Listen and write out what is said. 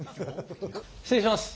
失礼します。